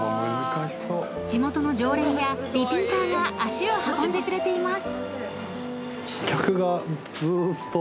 ［地元の常連やリピーターが足を運んでくれています］